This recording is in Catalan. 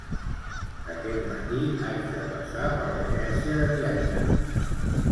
Aquest matí haig de passar per l'agència de viatges